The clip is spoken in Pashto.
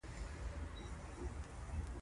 هلک د خپل ځان د ودې لپاره هڅه کوي.